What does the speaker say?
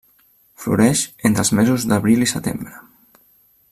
Floreix entre els mesos d'abril i setembre.